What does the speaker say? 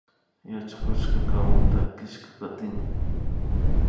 Yachakukka kamuta killkakatin